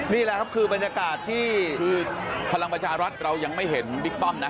นี่แหละครับคือบรรยากาศที่คือพลังประชารัฐเรายังไม่เห็นบิ๊กป้อมนะ